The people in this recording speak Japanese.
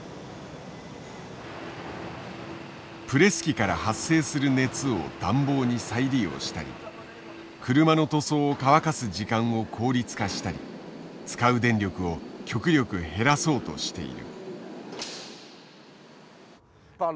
プレス機から発生する熱を暖房に再利用したり車の塗装を乾かす時間を効率化したり使う電力を極力減らそうとしている。